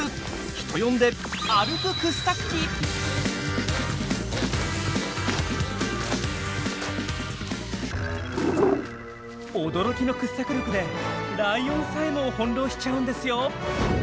人呼んで驚きの掘削力でライオンさえも翻弄しちゃうんですよ。